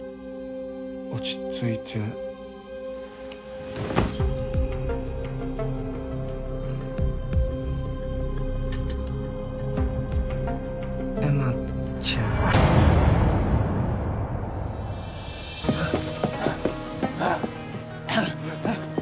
落ち着いてエマちゃんはあはあ